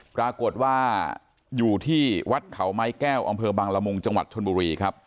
ปรากฏว่าอยู่ที่วัดเขาไม้แก้วอำเภอบังละมุงจังหวัดชนบุรีครับ